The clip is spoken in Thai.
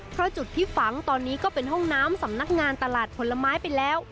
เพราะจุดที่ฝังตอนนี้ก็เป็นห้องน้ำสำนักงานตลาดผลไม้ไปแล้ว